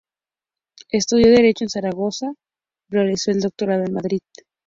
Estudió Derecho en Zaragoza y realizó el Doctorado en Madrid.